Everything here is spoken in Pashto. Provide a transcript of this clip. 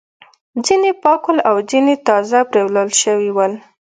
ځینې پاک ول او ځینې تازه پریولل شوي ول.